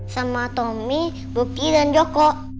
sama tommy booki dan joko